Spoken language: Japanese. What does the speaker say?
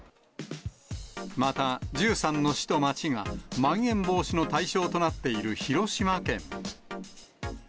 また、１３の市と町が、まん延防止の対象となっている広島県。